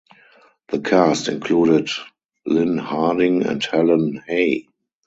The cast included Lyn Harding and Helen Haye.